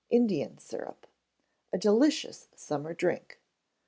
Indian Syrup. (A delicious summer drink.)